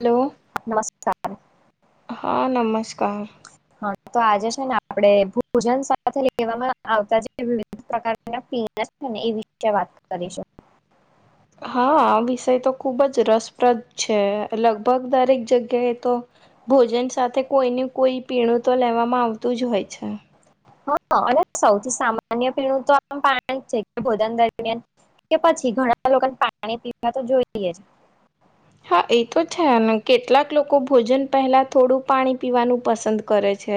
Hello નમસ્કાર હા નમસ્કાર હા તો આજે છે ને આપડે ભોજન સાથે લેવામાં આવતા વિ પ્રકારના તેના સ્થને એ વિશે વાત કરી શક હા આ વિષય તો ખુબ જ રસપ્રદ છે લગભગ દરેક જગ્યાએ તો ભોજન સાથે કોઈને કોઈ પીણું તો લેવામાં આવતું જ હોય છે હા અને સૌથી સામાન્ય પીણું તો આ પા છે ભોજન દરમિયાન કે પછી ઘણા લોકોને પાણી પીવા તો જોઈએ જ હા એ તો છે ને કેટલાક લોકો ભોજન પહેલા થોડું પાણી પીવાનું પસંદ કરે છે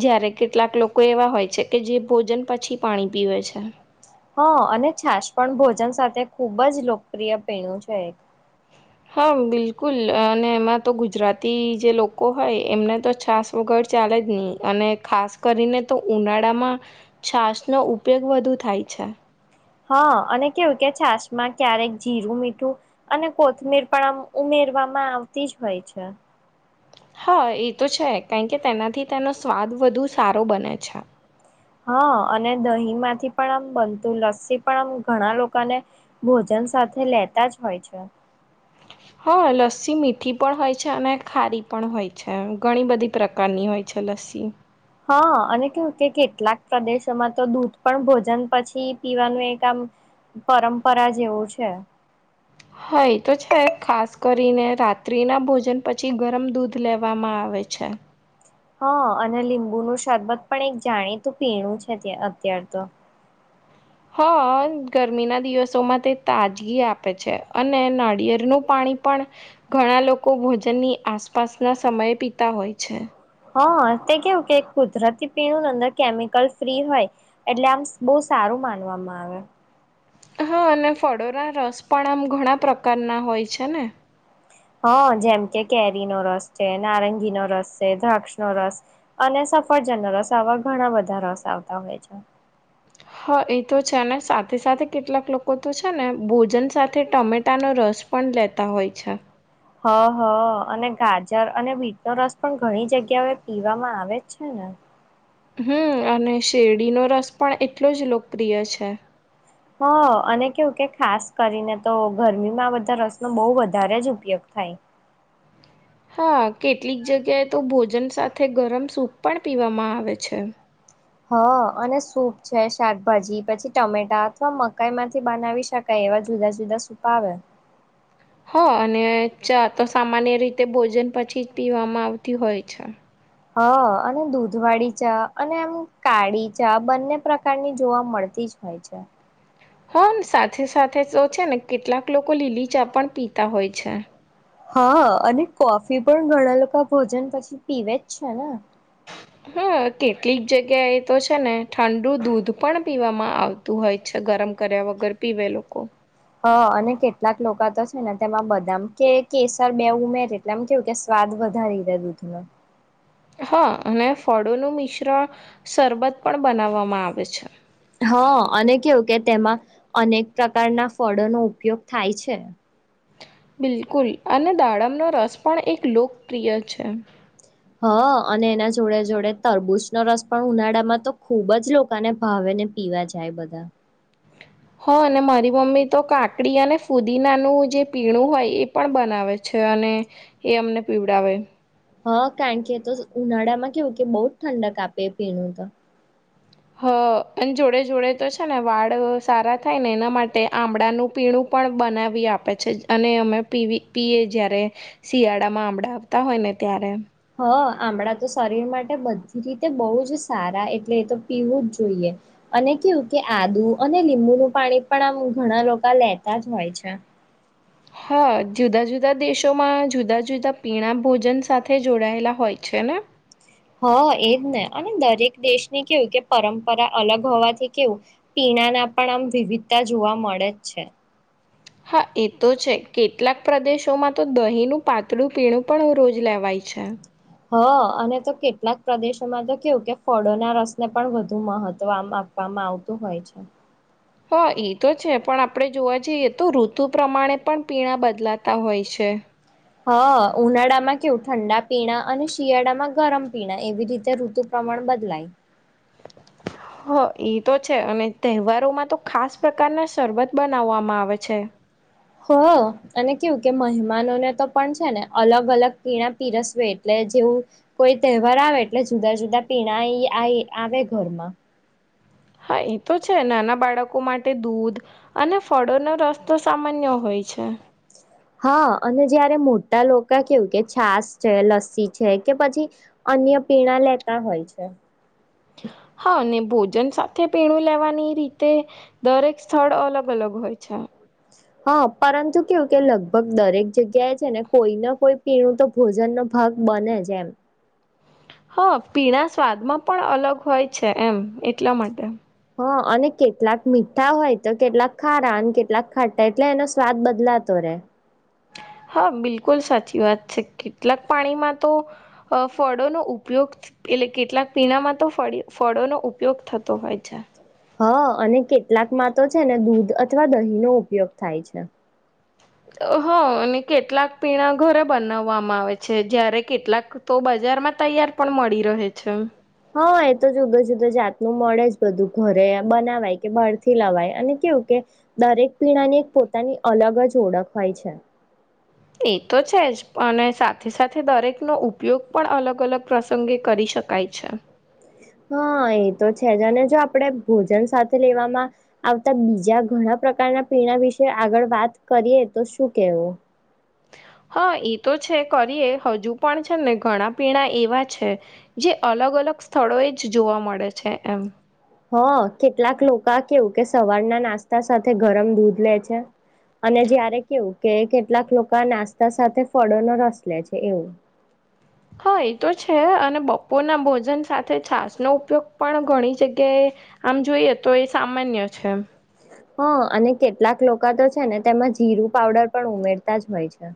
જયારે કેટલાક લોકો એવા હોય છે કે જે ભોજન પછી પાણી પીવે છે હા અને છાશ પણ ભોજન સાથે ખૂબ જ લોકપ્રિય પીણું છે એક હા બિલકુલ અને એમાં તો ગુજરાતી જે લોકો હોય એમને તો છાસ વગડ ચાલે જ નહી અને ખાસ કરીને તો ઉનાળામાં છાસ નો ઉપયોગ વધુ થાય અચછા હા અને કેવું કે છાસ માં ક્યારેક જીરું મીઠું અને કોથમીર પણ આમ ઉમે ફવામાં આવતી જ હોય છે હા એ તો છે કારણ કે તેનાથી તેનો સ્વાદ વધુ સારો બને છે હા અને દહીં માંથી પણ આમ બનતું લસ્સી પણ આમ ઘણા લોકોને ભોજન સાથે લેતા જ હોય છે હા લસ્સી મીઠી પણ હોય છે અને ખારી પણ હોય છે ઘણી બધી પ્રકારની હોય છે લસ્સી અસી હા અને કવું કે કેટલાક પ્રદેશોમાં તો દૂધ પણ ભોજન પછી પીવાનું એક આમ પરંપરા જેવું છે હા એ તો છે ખાસ કરીને રાત્રિ ના ભોજન પછી ગરમ દૂધ લેવામાં આવે આવય છે હા અને લીંબુ ન શરબત પણ એક જાણીતું પીણું છે અત્યાર તો હા ગરમીના દિવસોમાં તે તાજગી આપે છે અને નાળિયેળનુંું પાણી પણ ઘણા લોકો ભોજનની આસપાસ ના સમયે પીતા હોય છે. હા તે કેવું કે કુદરતી પીણું અંદર કેમિકલ ફ્રી હોય એટલે આમ બહુ સારું શ માનવામાં આવે. હા અને ફળોરા રસ પણ આમ ઘણા પ્રકારના હોય છે ને. હ જેમ કે કેરીનોો રસ છે નારંગી નો રસ છે દ્રાક્ષ નો રસ અને સફરજન રસવા ઘણા બધા રસ આવતા હોય છે. હા એ તો છે સાથે સાથે કેટલાક લોકો તો છે ને ભોજન સાથે ટમેટાનો રસ પણ લેતા હોય છે. હ હ અને ગાજર અને બીટનોો રસ પણ ઘણી જગ્યા એ પીવામાં આવે જ છે ને. [inaudible] હમ અને શેરડીનો રસ પણ એટલો જ લોકપ્રિય છે. હ અને કેવું કે ખાસ કરીને તો ગરમીમાં આ બધા રસનોો બહુ વધારે જ ઉપયોગ થઈ. હા કેટલીક જગ્યાએ તો ભોજન સાથે ગરમ સૂપ પણ પીવામાં આવે છે. હ અને સૂપ છે શાકભાજી પછી ટમેટા અથવા મકાઈ માંથી બનાવી શકાય. એવા જુદા જુદા સૂપ આવે. હો અને ચા તો સામાન્ય રીતે ભોજન પછી જ પીવામાં આવતી હોય છે. હ અને દૂધવાળી ચા અને એમ કાળી ચા બંને પ્રકારની જોવા મળતી જ હોય છે. હાને સાથે સાથે તો છે ને કેટલાક લોકો લીલી ચા પણ પીતા હોય છે. હા અને કોફી પણ ઘણા લોકો ભોજન પછી પીવે જ છે ને. હા કેટલીક જગ્યા એ તો છે ને ઠંડુ દૂધ પણ પીવામાં આવતું હોય છે. ગરમ કર્યા વગર પીવે લોકો. હા અને કેટલાક લોકો તો છે ને તેમાં બધા કે કેસર બે ઉમેર એટલે એમ કેવું કે સ્વાદ વધારી રહ દૂધ ન. હા અને ફળોનું મિશ્રણ શબત પણ બનાવવામાં આવે છે. હા અને કેવું કે તેમાં અનેક પ્રકારના ફળોનો ઉપયોગ થાય છે. બિલકુલ અને દાડમનો રસ પણ એક લોકપ્રિય છે. હ અને એના જોડે જોડે તરબૂજનોો રસ પણ ઉનાળામાં તો ખુબ જ લોકોને ભાવે ને પીવે. જો જાય બધા. હ અને મારી મમ્મી તો કાકડી અને ફુદીનાનું જે પીણું હોય એ પણ બનાવે છે. અને એ અમને પીવડાવે. હા કારણ કે તો ઉનાળા માં કેવું કે બહુ જ ઠંડક આપે એ પીનું તો હ અને જોડે જોડે તો છે ને વાળ સારા થાય ને એના માટે આંમળાનું પીણું પણ બનાવી આપે છે અને અમે પીવી પીએ જય્યારે શિયાળામાં આંબળા આવતા હોય ને અ ત્યારે. હ આમણાં તો શરીર માટે બધી રીતે બહુ જ સારા એટલે એ તો પીવું જ જોઈએ. અને કેવું કે આદુ અને લીંબુનું પાણી પણ આમ ઘણા લોકો લેતા જ હોય છે. હા જુદા જુદા દેશોમાં જુદા જુદા પીણા ભોજન સાથે જોડાયેલા હોય. છેને. હ એજ ને અને દરેક દેશની કેવું કે પરંપરા અલગ હોવાથી કેવું પીણા ના પણ આમ વિવિધતા જોવા મળે જ છે હા એ તો છે કેટલાક પ્રદેશોમાં તો દહીંનું પાતળું પીણું પણ રોજ લેવાયેલ અ છેા હ અને તો કેટલાક પ્રદેશોમાં તો કેવું કે ફળોના રસને પણ વધુ મહત્વમાં આવે. આપવામાં આવતું હોય છે. હ તો છે પણ આપણેે જોવા જઈએ તો ઋતુ પ્રમાણે પણ પીણા બદલાતા હોય છે [inaudible] હ ઉનાળામાં કેવું ઠંડા પીણા અને શિયાળા માં ગરમ પીણા એવી રીતે ઋતુ પ્રમા બદલાય હ તો છે અને તહેવારોમાં તો ખાસ પ્રકારના શરબત બનાવવામાં આવે છે હ અને કેવું કે મહેમાનોને તો પણ છે ને અલગ અલગ પીણા પીરસવે એટલે જેવું કોઈ તહેવાર આવે એટલે જુદા જુદા પીણા આવે ઘરમાં હા એ તો છે નાના બાળકો માટે દૂધ અને ફળોનોો રસ તો સામાન્ય હોય પી છેા હા અને જયારે મોટા લોકો કેવું કે છાસ છે લસ્સી છે કે પછી અન્ય પીણા લેતા હોય છે હા ભોજન સાથે પીણું લેવાની રીતે દરેક સ્થળ અલગ અલગ હોય છે હા પરંતુ કેવું કે લગભગ દરેક જગ્યાએ છે ને કોઈ ના કોઈ પીણું તો ભોજન ન ભાગ બને જેમ હા પીણા સ્વાદમાં પણ અલગ હોય છે એમ એટલા માટે હ અને કેટલાક મીઠા હોય તો કેટલાક ખારા અને કેટલાક ખાટા એટલે એનો સ્વાદ બદલાતો હોય [unintelligible] હા બિલકુલ સાચી વાત છે કેટલાક પાણીમાં તો ફળોનોો ઉપયોગ એટલે કેટલાક પીણામાં તો ફળ ફળોનોો ઉપયોગ થતો હોય છે હા અને કેટલાકમાં તો છે ને દૂધ અથવા દહીં નો ઉપયોગ થાય છે હ અને કેટલાક પીણા ઘરે બનાવવામાં આવે છે જયારે કેટલાક તોજ બજારમાં તૈયાર પણ મળી રહે છે હા એ તો જુદો જુદા જાતનું મળે જ બધું ઘરે બનાવાય કે બહારથી લવાય અને કેવું કે દરેક પીણાની એક પોતાની અલગ જ ઓળખ હોય છે એ તો છે જ અને સાથે સાથે દરેકનો ઉપયોગ પણ અલગ અલગ પ્રસંગે કરીશ શકાય છે હા એ તો છે જ અને જો આપણેે ભોજન સાથે લેવામાં આવતા બીજા ઘણા પ્રકારના પીણા વિશે આગળ વાત કરીએ તો શું કેવું હા એ તો છે કરીએ હજુ પણ છે ને ઘણા પીણા એવા છે જે અલગ અલગ અલગ સ્થળો એ જ જોવા મળે છે એમ હ કેટલાક લોકો કેવું કે સવારના નાસ્તા સાથે ગરમ દૂધ લે છે અને જયારે કેવું કે કેટલાક લોકો આ નાસ્તા સાથે ફળોનોો રસ લે છે એવું હ હા એ તો છે અને બપોર ના ભોજન સાથે છાસનોો ઉપયોગ પણ ઘણી જગ્યાએ આમ જોઈએ તો એ સામાન્ય છે હ અને કેટલાક લોકો તો છે ને તેમાં જીરું પાવડર પણ ઉમેરતા જ હોય છે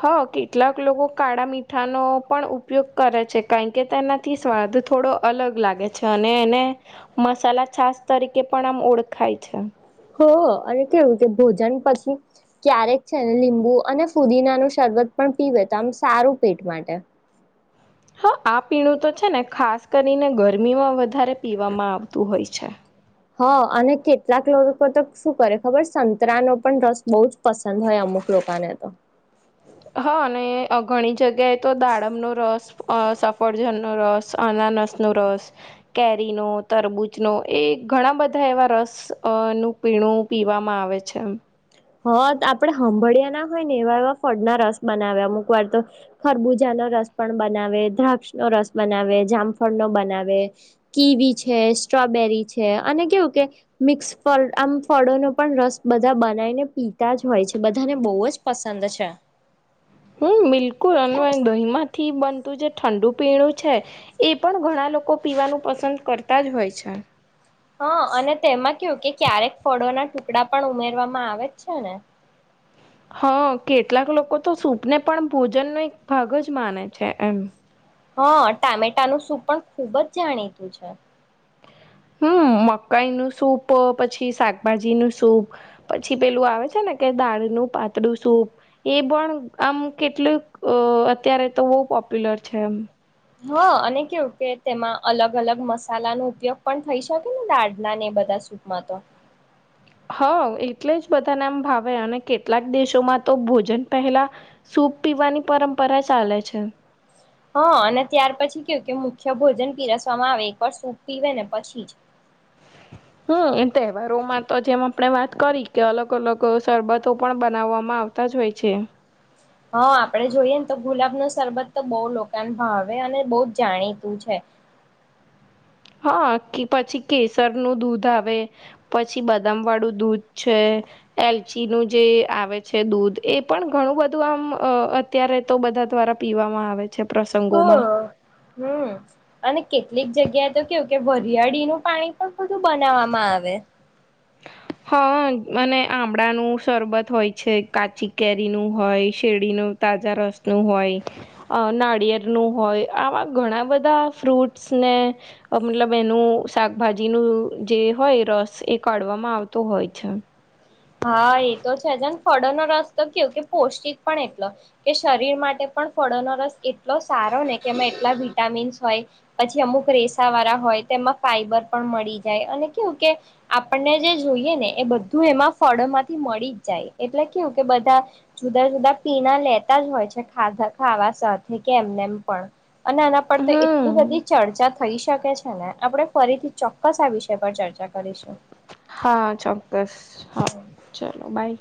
હા કેટલાક લોકો કાળા મીઠાનો પણ ઉપયોગ કરે છે કારણ કે તેનાથી સ્વાદ તો થોડો અલગ લાગે છે અને એને મસાલા છાસ તરીકે પણ આમ ઓળખાય છે હ અને કેવું કે ભોજન પછી ક્યારેક છે ને લીંબુ અને ફુદીના નું શરબત પણ પીવે તો આમ સારું પેટ માટે હા આ પીણું તો છે ને ખાસ કરીને ગરમીમાં વધારે પીવામાં આવતું હોય છે હા અને કેટલાક લોકો તો શું કરે ખબર સંતરા નો પણ રસ બહુ જ પસંદ હોય અમુક લોકોકાને તો હા અને ઘણી જગ્યાએ તો દાડમનોો રસ સફળજન ો રસ અનાનસ નો રસ કેરી નો તરબૂચ નો એ ઘણા બધા એવા રસ બસ અ નું પીણું પીવામાં આવે છે એ હ આપડે હંભળિયા ના હોય ને એવા એવા ફળના રસ બનાવે અમુક વાર તો ખરબૂજાના રસ પણ બનાવે દ્રાક્ષ નો રસ બનાવે જામફળ નો બનાવે કીવી છે સ્ટ્રોબેરી છે અને કેવું કે મિક્સ ફ આમ ફળો ન પણ રસ બધા બનાવીને પિતા જ હોય છે બધાને બહુ જ પસંદ છે હું બિલકુલ અને દહીમાંથી બનતું જે ઠંડુ પીણું છે એ પણ ઘણા. લોકો પીવાનું પસંદ કરતા જ હોય છે. હા અને તેમાં કું કે ક્યારેક ફળોના ટુકડા પણ ઉમેરવામાં આવે જ છે ને. હા કેટલાક લોકો તો સૂપને પણ ભોજનનોો એક ભાગ જ માને છે એમ. હા ટામેટાનું શું પણ ખૂબ જ જાણીતું છે. મકાઈ નું સૂપ પછી શાકભાજી નું સૂપ પછી પેલું આવે છે ને કે દાળ. પાતળું સૂપ એ પણ આમ કેટલું અત્યારે તો બહ પોપ્યુલર છે. છેમ. હા અને કેવું કે તેમાં અલગ અલગ મસાલાનો ઉપયોગ પણ થઈ શકે ને દાળના ને. બધા સૂટમાં તો. હા એટલે જ બધાને એમ ભાવે અને કેટલાક દેશોમાં તો ભોજન પહેલા શ. પીવાની પરંપરા ચાલે છે. હા અને ત્યાર પછી કેવું કે મુખ્ય ભોજન પીરસવામાં આવે એકવાર સૂપ પીવે ને પછી જ. હમ એ તહેવારોમાં તો જેમ આપણે વાત કરી કે અલગ અલગ શરબતો પણ બનાવવામાં આવતા. હોય છે. હા આપડે જોઈએ ને તો ગુલાબ ન સરરબત તો બહુ લોકા ભાવે અને બહ જ જાણીતું છે. [inaudible] હા કે પછી કેસર નું દૂધ આવે પછી બદામ વાળું દૂધ છે. એલચ નું જે આવે છે દૂધ એ પણ ઘણું બધું આમ અત્યારે તો. બધા દ્વારા પીવામાં આવે છે હ પ્રસંગોમાં. હમ અને કેટલીક જગ્યાએ તો કેવું કે વરિયાળીનું પાણી. બધું બનાવવામાં આવે. હા અને આમળાનું શરબત હોય છે કાચી કેરીનુંું હોય શેરડીનું. તાજા રસ નું હોય નાળિયેર નું હોય આવા ઘણા બધા ફ્રૂટ. ને મતલબ એનું શાકભાજીનુંું જે હોય રસ એ કાઢવામાં આવતો. તો હોય છે. હા એ તો છેજને ફળોનોો રસ તો કે કે પૌષ્ટિક પણ એટલો કે શરીર માટે. પણ ફળોનો રસ એટલો સારો ને કે એમાં એટલા વિટામિન્સ હોય. પછી અમુક રેસા વાળા હોય તેમાં ફાઈબર પણ મળી જાય અને કેવું કે આપણને જે. જોઈએ ને એ બધું એમાં. ફળો માંથી મળી જ જાય એટલે કેવું કે બધા જુદા જુદા પીણા લેતા જ હોય છે ખાધા. વા સાથે કે એમને એમ પણ અને આના પર તો એટલી હમ બધી ચર્ચા. થઈ શકે છે ને આપણે ફરીથી ચોક્કસ આ વિષય પર ચર્ચા કરીશું. હા ચોક્કસ હા ચલોો બાય.